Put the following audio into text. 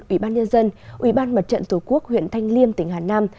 ủy ban nhân dân ủy ban mặt trận tổ quốc huyện thanh liêm tỉnh hà nam